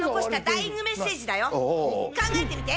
考えてみて！